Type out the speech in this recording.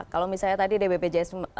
kalau misalnya tadi dbpjs